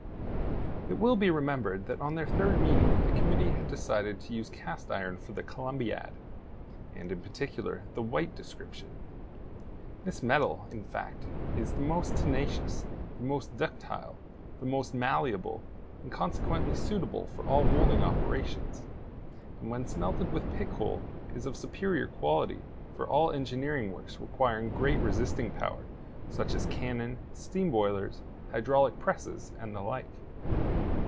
It will be remembered that on their third meeting the committee had decided to use cast iron for the Columbiad, and in particular the white description. This metal, in fact, is the most tenacious, the most ductile, and the most malleable, and consequently suitable for all moulding operations; and when smelted with pit coal, is of superior quality for all engineering works requiring great resisting power, such as cannon, steam boilers, hydraulic presses, and the like.